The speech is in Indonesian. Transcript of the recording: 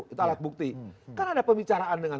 itu alat bukti kan ada pembicaraan dengan